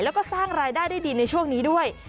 แล้วก็สร้างรายได้ได้ดีในช่วงนี้ด้วย